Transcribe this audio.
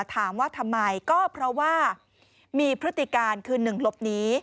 ถามว่าทำไมก็เพราะว่ามีพฤติการคือ๑หลบหนี